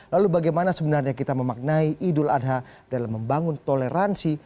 lalu bagaimana sebenarnya kita memaknai idul adha dalam membangun toleransi